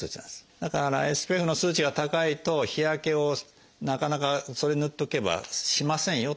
だからＳＰＦの数値が高いと日焼けをなかなかそれ塗っとけばしませんよということですね。